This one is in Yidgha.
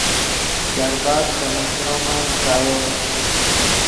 شربَت ݰے چرومن فسایو